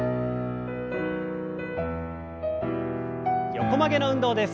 横曲げの運動です。